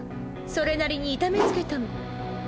それなりに痛めつけた。